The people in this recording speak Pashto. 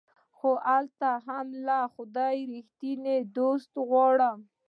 خو هلته هم له خدايه ريښتيني دوست غواړم